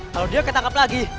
kalau dia ketangkap lagi